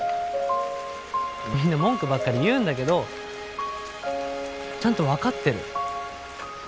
みんな文句ばっかり言うんだけどちゃんと分かってる。